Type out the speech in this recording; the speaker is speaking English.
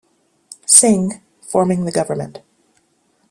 Singh, forming the government.